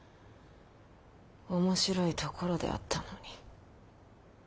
面白いところであったのに。